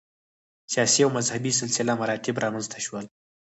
سیاسي او مذهبي سلسله مراتب رامنځته شول.